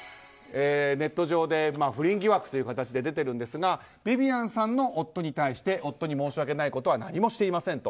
ネット上で、不倫疑惑という形で出ているんですがビビアンさんの夫に対して夫に申し訳ないことは何もしていませんと。